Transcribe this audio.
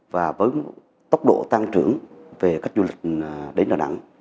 và với tốc độ tăng trưởng về cách du lịch đến đà nẵng